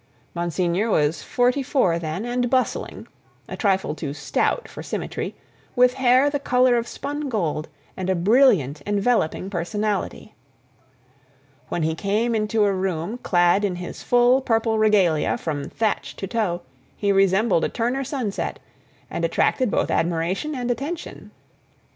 Monsignor was forty four then, and bustling—a trifle too stout for symmetry, with hair the color of spun gold, and a brilliant, enveloping personality. When he came into a room clad in his full purple regalia from thatch to toe, he resembled a Turner sunset, and attracted both admiration and attention.